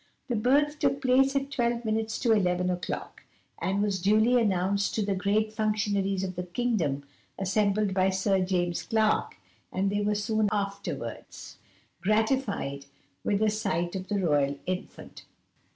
The birth took place at 12 minutes to 11 o'clock, and was duly announced to the great functionaries of the kingdom assembled by Sir James Clark, and they were soon afterwards gratified with a sight of the royal infant.